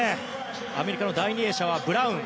アメリカの第２泳者はブラウン。